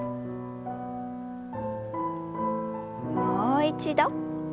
もう一度。